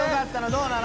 どうなの？